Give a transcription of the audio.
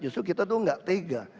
justru kita itu tidak tega